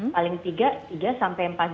paling tiga kita harus berolahraga dulu ya